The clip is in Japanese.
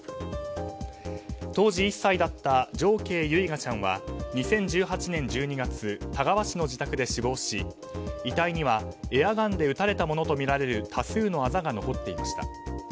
当時１歳だった常慶唯雅ちゃんは２０１８年１２月田川市の自宅で死亡し遺体にはエアガンで撃たれたものとみられる多数のあざが残っていました。